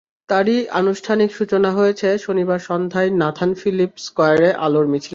তারই আনুষ্ঠানিক সূচনা হয়েছে শনিবার সন্ধ্যায় নাথান ফিলিপ স্কয়ারে আলোর মিছিলের মাধ্যমে।